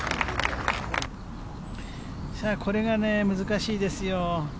さあ、これがね、難しいですよ。